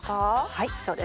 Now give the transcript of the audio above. はいそうです。